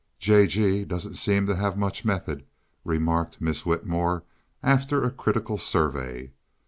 "J. G. doesn't seem to have much method," remarked Miss Whitmore, after a critical survey.